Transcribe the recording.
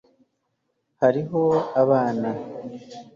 hariho abana